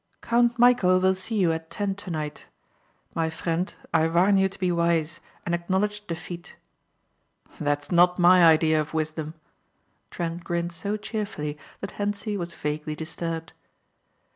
"Count Michæl will see you at ten tonight. My friend, I warn you to be wise and acknowledge defeat." "That's not my idea of wisdom," Trent grinned so cheerfully that Hentzi was vaguely disturbed.